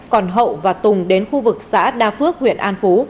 còn hậu và tùng đến khu vực xã đa phước huyện an phú